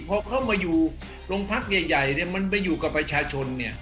พอเข้ามาอยู่โรงพักใหญ่เนี่ยมันไปอยู่กับประชาชนเนี่ย